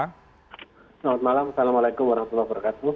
selamat malam assalamualaikum wr wb